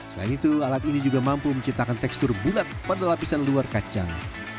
selain itu alat ini juga mampu menciptakan tekstur bulat pada lapisan luar kacang